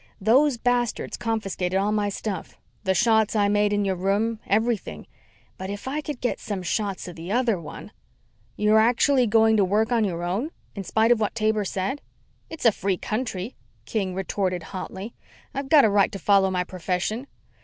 "Those bastards confiscated all my stuff. The shots I made in your room everything. But if I could get some shots of the other one " "You're actually going to work on your own? In spite of what Taber said?" "It's a free country," King retorted hotly. "I've got a right to follow my profession.